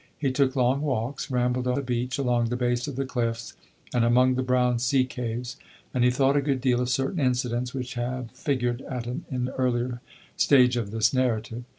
He took long walks, rambled on the beach, along the base of the cliffs and among the brown sea caves, and he thought a good deal of certain incidents which have figured at an earlier stage of this narrative.